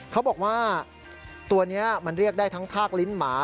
เขาบอกว่าตัวนี้มันเรียกได้ทั้งทากลิ้นหมา